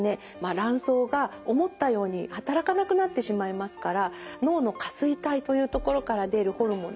卵巣が思ったように働かなくなってしまいますから脳の下垂体というところから出るホルモンですね